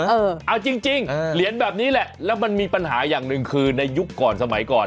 เอาจริงเหรียญแบบนี้แหละแล้วมันมีปัญหาอย่างหนึ่งคือในยุคก่อนสมัยก่อน